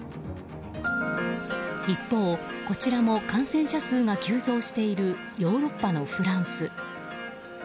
一方、こちらも感染者数が急増しているヨーロッパのフランス。